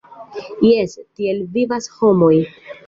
Jes, tiel vivas homoj.